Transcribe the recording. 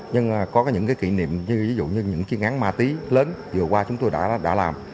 nhưng có những kỷ niệm như những chiến án ma tí lớn vừa qua chúng tôi đã làm